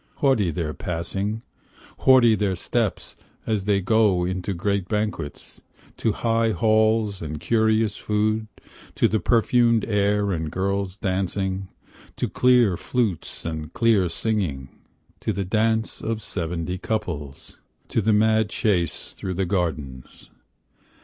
Haughty their passing, Haughty their steps as they go into great banquets, To high halls and curious food, To the perfumed air and girls dancing, To clear flutes and clear singing ; To the dance of the seventy couples ; To the mad chase through the gardens.